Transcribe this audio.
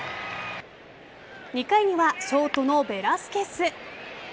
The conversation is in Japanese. ２回にはショートのベラスケス。